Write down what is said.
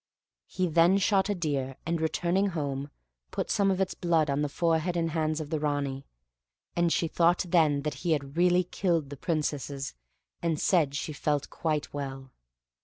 He then shot a deer, and returning home, put some of its blood on the forehead and hands of the Ranee, and she thought then that he had really killed the Princesses, and said she felt quite well.